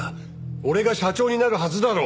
俺が社長になるはずだろ？